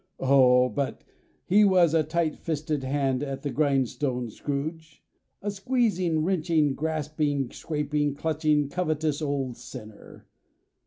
Oh! But he was a tight fisted hand at the grindstone, Scrooge! a squeezing, wrenching, grasping, scraping, clutching, covetous, old sinner!